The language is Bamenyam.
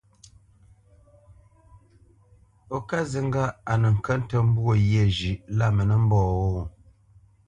Ó ká zi ŋgâʼ a nə kə́ nə́ mbwô ghyê zhʉ̌ʼ lá mə ntə́ mbɔ̂ ghô ?